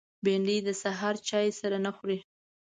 بېنډۍ د سهار چای سره نه خوري